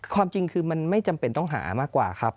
ความจริงคือมันไม่จำเป็นต้องหามากกว่าครับ